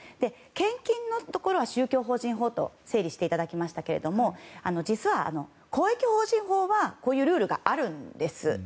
献金のところは宗教法人法と整理していただきましたが実は、公益法人法にはこういうルールがあるんです。